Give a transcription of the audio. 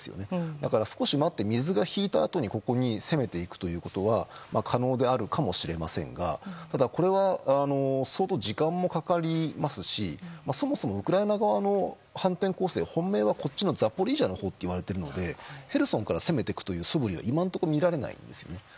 だから少し待って水が引いたあとにここに攻めていくことは可能であるかもしれませんがただ、これは相当時間もかかりますしそもそもウクライナ側の反転攻勢は本命はザポリージャのほうといわれているのでヘルソンから攻めていくそぶりは今のところ見られないんですね。